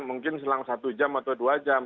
mungkin selang satu jam atau dua jam